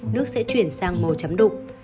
nước sẽ chuyển sang màu chấm đụng